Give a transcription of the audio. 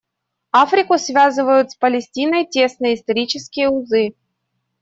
Африку связывают с Палестиной тесные исторические узы.